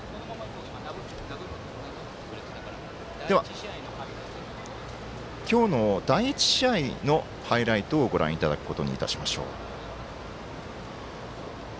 では、今日の第１試合のハイライトをご覧いただくことにいたしましょう。